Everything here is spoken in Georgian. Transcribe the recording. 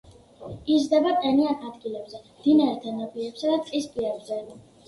იზრდება ტენიან ადგილებზე, მდინარეთა ნაპირებსა და ტყის პირებზე.